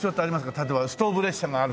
例えばストーブ列車があるとか。